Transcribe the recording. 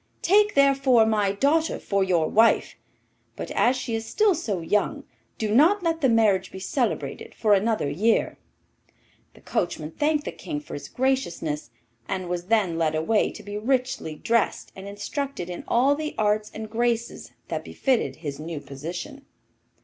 Take, therefore, my daughter for your wife; but as she is still so young, do not let the marriage be celebrated for another year.' The coachman thanked the King for his graciousness, and was then led away to be richly dressed and instructed in all the arts and graces that befitted his new position.